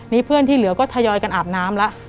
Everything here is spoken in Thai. นี่เพื่อนที่เหลือก็ทยอยกันอาบน้ำแล้ว